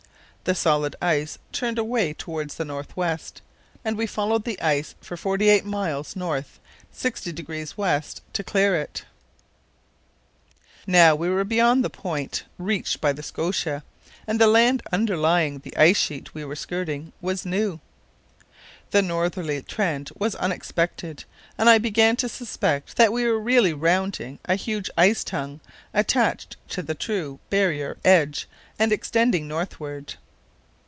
The solid ice turned away towards the north west, and we followed the edge for 48 miles N. 60° W. to clear it. [Illustration: Midnight off the New Land] [Illustration: New Land: Caird Coast] Now we were beyond the point reached by the Scotia, and the land underlying the ice sheet we were skirting was new. The northerly trend was unexpected, and I began to suspect that we were really rounding a huge ice tongue attached to the true barrier edge and extending northward.